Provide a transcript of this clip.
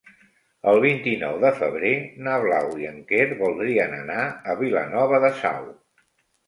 El vint-i-nou de febrer na Blau i en Quer voldrien anar a Vilanova de Sau.